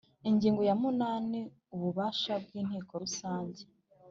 Ingingo ya munani Ububasha bw Inteko Rusange